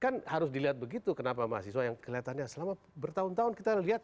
kan harus dilihat begitu kenapa mahasiswa yang kelihatannya selama bertahun tahun kita lihat